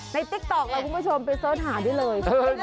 ในติ๊กโต๊คเลยคุณผู้ชมไปเสิร์ชหาด้วยเลย